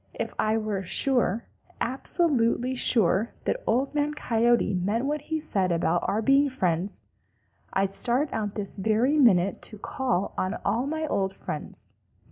If I were sure, absolutely sure, that Old Man Coyote meant what he said about our being friends, I'd start out this very minute to call on all my old friends.